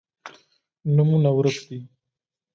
نومونه ورک دي